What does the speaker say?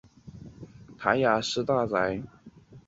谭雅士大宅。